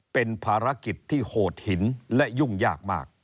เป็นภารกิจที่โหดหินและยุ่งยากมาก